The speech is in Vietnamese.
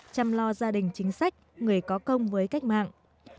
chăm lo gia đình chính sách người có công với cách mạng